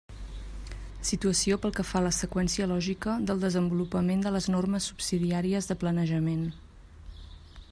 Situació pel que fa a la seqüència lògica del desenvolupament de les normes subsidiàries de planejament.